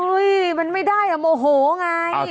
มันไม่ได้อ่ะโมโหไง